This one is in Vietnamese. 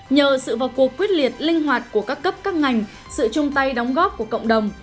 nhờ sự vào cuộc quyết liệt linh hoạt của các cấp các ngành sự chung tay đóng góp của cộng đồng